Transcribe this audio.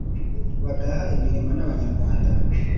bagaha imirimo n’abanyarwanda